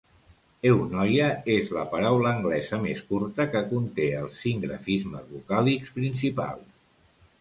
"Eunoia" és la paraula anglesa més curta que conté els cinc grafismes vocàlics principals.